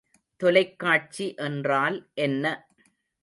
தொலைக்காட்சி என்றால் என்ன?